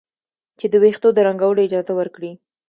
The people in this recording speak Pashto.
چې د ویښتو د رنګولو اجازه ورکړي.